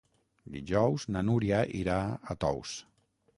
Dijous na Núria irà a Tous.